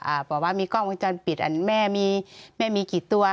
บอกว่ามีกล้องวงจรปิดอันแม่มีแม่มีกี่ตัว